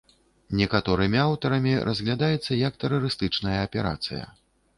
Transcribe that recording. Некаторымі аўтарамі разглядаецца як тэрарыстычная аперацыя.